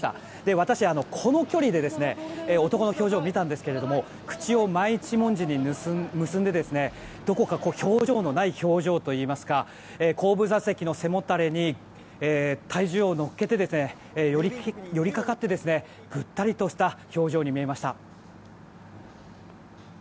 私、この距離で男の表情を見たんですが口を真一文字に結んでどこか表情のない表情といいますか後部座席の背もたれに体重をのっけて寄りかかってぐったりとした表情に見えました。